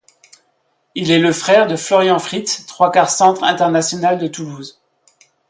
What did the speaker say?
Il est le frère de Florian Fritz, trois-quart centre international de Toulouse.